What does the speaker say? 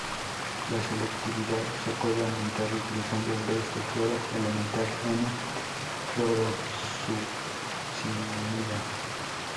La selectividad se puede aumentar utilizando en vez de cloro elemental N-clorosucinimida.